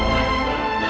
tante menanggung al